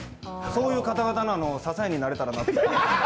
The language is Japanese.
そういう方々の支えになれたらなと。